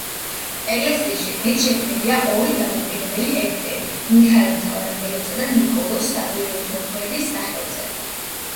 ეკლესიის შიგნით შექმნილია ორი დამოუკიდებელი ეგვტერი მიქაელ მთავარანგელოზისა და ნიკოლოზ საკვირველთმოქმედის სახელზე.